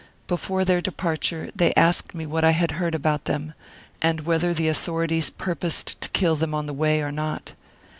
Before their de parture they asked me what I had heard about them, and whether the authorities purposed to kill them on the way or not.